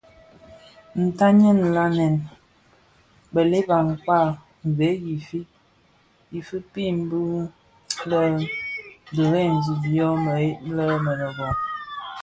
Ntanyèn nlanèn bëlëk a kpaň veg i fikpmid mbi bè dheremzi byō mëghei yè mënōbō.